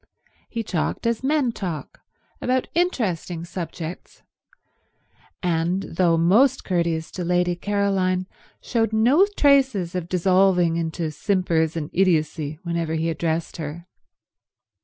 He talked as men talk, about interesting subjects, and, though most courteous to Lady Caroline, showed no traces of dissolving into simpers and idiocy whenever he addressed her.